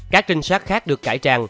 các trinh sát khác được cải trang